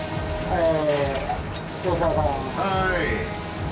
はい。